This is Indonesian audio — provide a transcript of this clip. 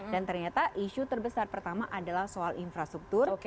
dan ternyata isu terbesar pertama adalah soal infrastruktur